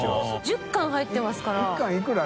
１０貫入ってますから。